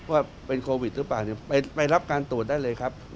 ว่าเป็นโควิดหรือเปล่าไปรับการตรวจได้เลยครับ